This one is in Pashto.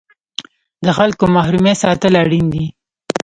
د خلکو محرمیت ساتل اړین دي؟